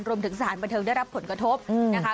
รวมถึงสถานประเทิงได้รับผลกระทบนะคะ